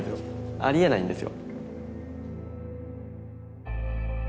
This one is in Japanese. ありえないんですよ。